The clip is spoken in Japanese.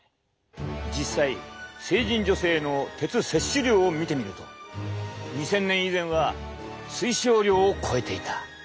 実際成人女性の鉄摂取量を見てみると２０００年以前は推奨量を超えていた。